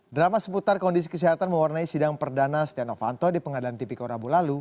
drama seputar kondisi kesehatan mewarnai sidang perdana stenovanto di pengadilan tv korabu lalu